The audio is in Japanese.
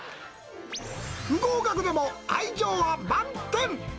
不合格でも愛情は満点！